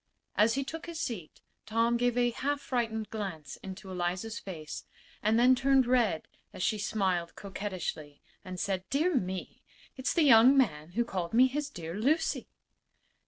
As he took his seat Tom gave a half frightened glance into Eliza's face and then turned red as she smiled coquettishly and said: "Dear me! It's the young man who called me his dear Lucy."